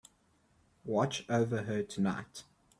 Watch over her tonight.